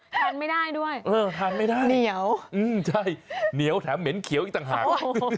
ทานไม่ได้ด้วยเนียวแถมเหม็นเขียวอีกต่างหากเออทานไม่ได้